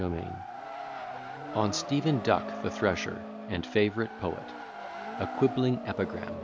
_] ON STEPHEN DUCK THE THRESHER, AND FAVOURITE POET A QUIBBLING EPIGRAM.